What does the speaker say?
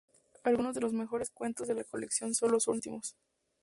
Algunos de los mejores cuentos de la colección son los últimos.